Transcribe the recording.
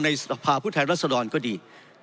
ในสภาพุทธไทยรัศนรก็ดี